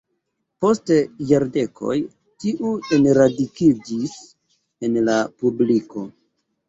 Post jardekoj tiu enradikiĝis en la publiko.